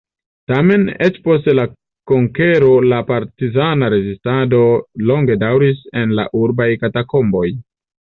Tamen, eĉ post la konkero la partizana rezistado longe daŭris en la urbaj katakomboj.